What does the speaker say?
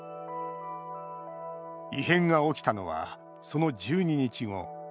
異変が起きたのは、その１２日後。